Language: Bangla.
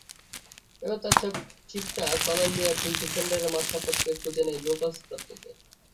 এবার তাঁর চিপটা কলম্বিয়ার দুই ডিফেন্ডারের মাথা টপকে খুঁজে নেয় লুকাস প্রাত্তোকে।